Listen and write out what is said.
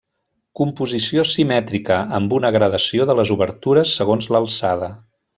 Composició simètrica, amb una gradació de les obertures segons l'alçada.